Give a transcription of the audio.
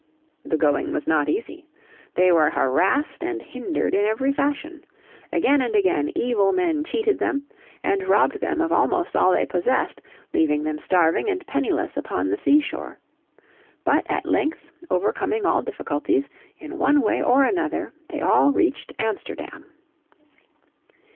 The going was not easy. They were harassed and hindered in every fashion. Again and again evil men cheated them, and robbed them of almost all they possessed, leaving them starving and penniless upon the sea shore. But at length, overcoming all difficulties, in one way or another, they all reached Amsterdam.